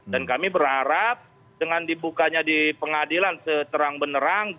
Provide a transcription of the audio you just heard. dan kami berharap dengan dibukanya di pengadilan seterang benerang